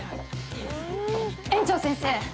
園長先生。